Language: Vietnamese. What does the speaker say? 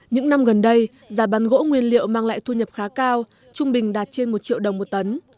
những năm gần đây giá bán gỗ nguyên liệu mang lại thu nhập khá cao trung bình đạt trên một triệu đồng một tấn